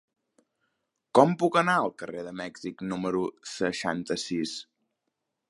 Com puc anar al carrer de Mèxic número seixanta-sis?